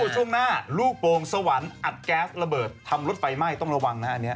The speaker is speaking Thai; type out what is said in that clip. ถูกต้องค่ะ